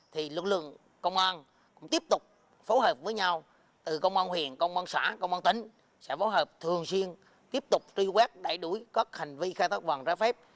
thì lực lượng công an cũng tiếp tục phối hợp với nhau từ công an huyện công an xã công an tỉnh sẽ phối hợp thường xuyên tiếp tục truy quét đẩy đuối các hành vi khai thác vàng ra phép